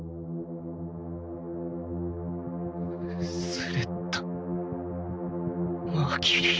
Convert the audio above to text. スレッタ・マーキュリー？